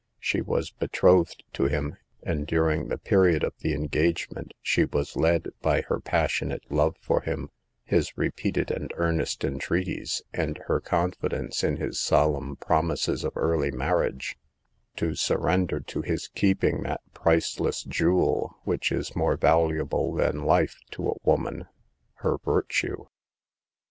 She was betrothed to him, and during the period of the engage ment, she was led, by her passionate love for him, his repeated and earnest entreaties, and her confidence in his solemn promises of early marriage, to surrender to his keeping that priceless jewel which is more valuable than life to % woman — her virtue.